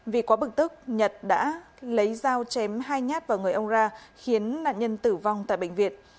vì quá bực tức nhật đã lấy dao chém hai nhát vào người ông ra khiến nạn nhân tử vong tại bệnh viện